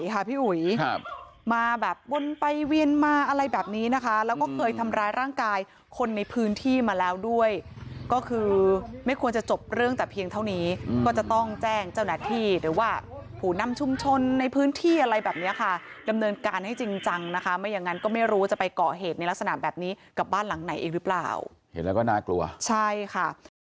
ค่ะพี่อุ๋ยครับมาแบบวนไปเวียนมาอะไรแบบนี้นะคะแล้วก็เคยทำร้ายร่างกายคนในพื้นที่มาแล้วด้วยก็คือไม่ควรจะจบเรื่องแต่เพียงเท่านี้ก็จะต้องแจ้งเจ้าหน้าที่หรือว่าผู้นำชุมชนในพื้นที่อะไรแบบนี้ค่ะดำเนินการให้จริงจังนะคะไม่อย่างนั้นก็ไม่รู้จะไปเกาะเหตุในลักษณะแบบนี้กับบ้านหลังไหนอีกหรือเปล่าเห็นแล้วก็น่ากลัวใช่ค่ะ